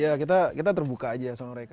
ya kita terbuka aja sama mereka